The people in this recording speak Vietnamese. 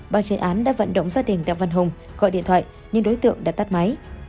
ban chuyên án đã vận động gia đình đặng văn hùng gọi điện thoại nhưng đối tượng đã tắt máy